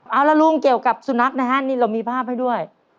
เอาละลุงเกี่ยวกับสุนัขนะฮะนี่เรามีภาพให้ด้วย